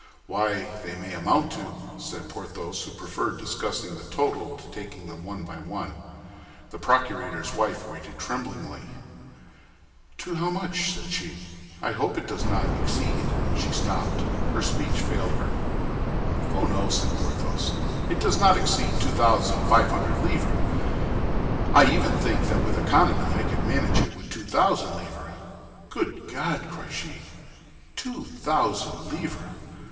"Why, they may amount to—", said Porthos, who preferred discussing the total to taking them one by one. The procurator's wife waited tremblingly. "To how much?" said she. "I hope it does not exceed—" She stopped; speech failed her. "Oh, no," said Porthos, "it does not exceed two thousand five hundred livres! I even think that with economy I could manage it with two thousand livres." "Good God!" cried she, "two thousand livres!